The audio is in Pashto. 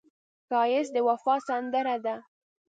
ښایست د وفا سندره ده